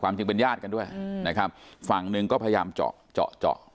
จริงเป็นญาติกันด้วยนะครับฝั่งหนึ่งก็พยายามเจาะเจาะเจาะ